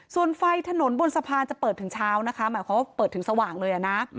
ส่วนไฟถนนบนสะพานจะเปิดถึงเช้านะคะหมายความว่าเปิดถึงสว่างเลยนะ